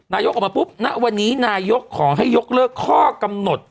นายกออกมาปุ๊บณวันนี้นายกขอให้ยกเลิกข้อกำหนด